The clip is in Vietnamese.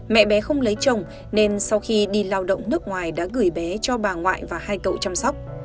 mẹ bé không lấy chồng nên sau khi đi lao động nước ngoài đã gửi bé cho bà ngoại và hai cậu chăm sóc